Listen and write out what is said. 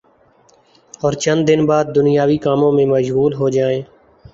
اور چند دن بعد دنیاوی کاموں میں مشغول ہو جائیں